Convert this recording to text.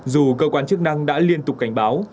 dù cơ quan chức năng đã liên tục cảnh báo